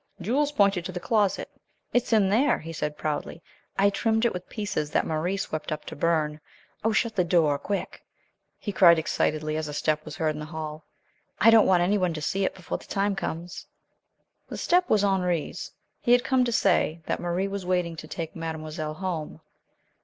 Jules pointed to the closet. "It's in there," he said, proudly. "I trimmed it with pieces that Marie swept up to burn. Oh, shut the door! Quick!" he cried, excitedly, as a step was heard in the hall. "I don't want anybody to see it before the time comes." The step was Henri's. He had come to say that Marie was waiting to take mademoiselle home.